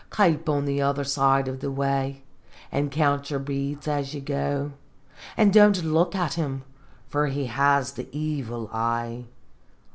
Kape on the other side of the way, an' count yer beads as ye go, an' don't look at him, for he has the evil eye.